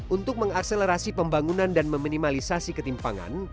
untuk mengakselerasi pembangunan dan meminimalisasi ketimpangan